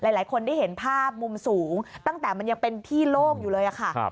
หลายคนได้เห็นภาพมุมสูงตั้งแต่มันยังเป็นที่โล่งอยู่เลยค่ะ